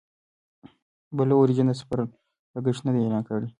بلو اوریجن د سفر لګښت نه دی اعلان کړی.